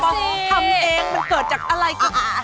ทำเองมันเกิดจากอะไรคุณอา